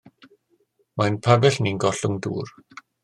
Mae'n pabell ni'n gollwng dŵr.